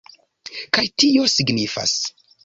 Kaj tio signifas